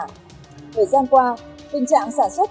thời gian qua tình trạng sản xuất